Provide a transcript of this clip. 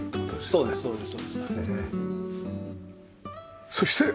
ああそうですそうです。